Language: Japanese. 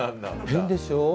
変でしょう。